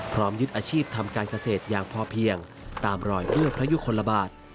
ยึดอาชีพทำการเกษตรอย่างพอเพียงตามรอยเอื้อพระยุคลบาท